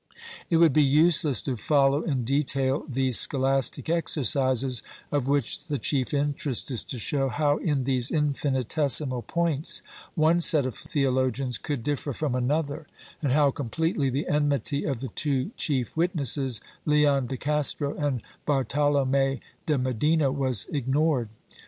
156 PROPOSITIONS [Book VIII would be useless to follow in detail these scholastic exercises, of which the chief interest is to show how, in these infinitesimal points, one set of theologians could differ from another and how completely the enmity of the two chief witnesses, Leon de Castro and Bartolome de Medina, was ignored.